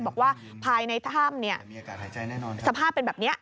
บอกว่าภายในถ้ำสภาพเป็นแบบนี้